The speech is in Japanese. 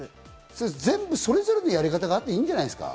全部それぞれのやり方があっていいんじゃないですか？